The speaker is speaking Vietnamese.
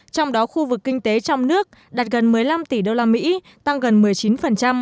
trong đó khu vực kinh tế trong nước đạt gần một mươi năm tỷ đô la mỹ tăng gần một mươi chín